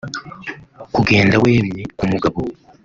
Kugenda wemye ku mugabo